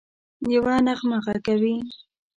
یوه نغمه ږغوي